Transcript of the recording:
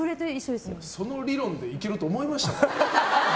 その理論でいけると思いましたか？